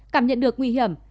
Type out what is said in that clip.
cảm nhận được nguy hiểm